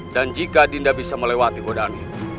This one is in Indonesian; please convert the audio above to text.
dan jika dinda bisa melewati hodanya